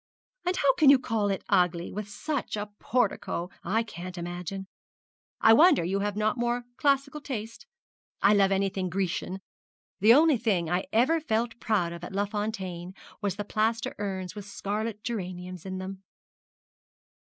and how you can call it ugly, with such a portico, I can't imagine. I wonder you have not more classical taste. I love anything Grecian. The only thing I ever felt proud of at Les Fontaines was the plaster urns with scarlet geraniums in them!'